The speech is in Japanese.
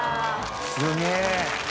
すげえ。